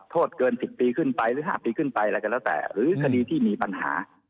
โทษเกิน๑๐ปีขึ้นไปหรือ๕ปีขึ้นไปอะไรก็แล้วแต่หรือคดีที่มีปัญหา